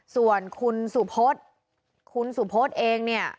ส่วนคุณสุพศคุณสุพธเองเนี่ย